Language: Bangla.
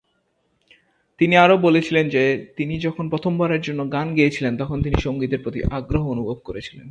তিনি আরও বলেছিলেন যে তিনি যখন প্রথমবারের জন্য গান গেয়েছিলেন তখন তিনি সঙ্গীতের প্রতি আগ্রহ অনুভব করেছিলেন।